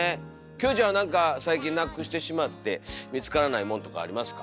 キョエちゃんはなんか最近なくしてしまって見つからないものとかありますか？